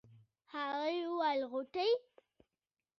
هغې وويل غوټۍ.